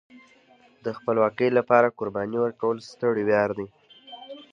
د خپلواکۍ لپاره قرباني ورکول ستر ویاړ دی.